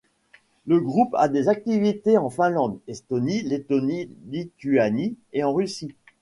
Le groupe a des activités en Finlande, Estonie, Lettonie, Lituanie et en Russie.